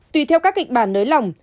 tùy theo các kịch bản nới lỏng